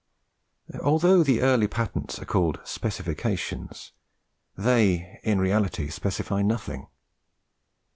Although the early patents are called specifications, they in reality specify nothing.